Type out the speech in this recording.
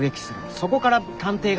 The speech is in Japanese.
そこから探偵が。